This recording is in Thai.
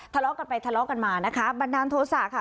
ทะเลาะกันไปทะเลาะกันมานะคะบันดาลโทษะค่ะ